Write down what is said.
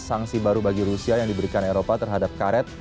sanksi baru bagi rusia yang diberikan eropa terhadap karet